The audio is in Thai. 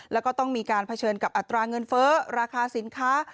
แล้วก็ต้องมีการเผชิญกับอัตราเงินเฟ้อราคาสินค้า